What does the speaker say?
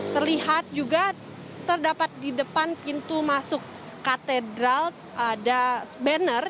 terlihat juga terdapat di depan pintu masuk katedral ada banner